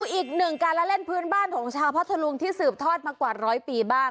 อีกหนึ่งการละเล่นพื้นบ้านของชาวพัทธรุงที่สืบทอดมากว่าร้อยปีบ้าง